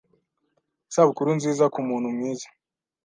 Isabukuru nziza kumuntu mwiza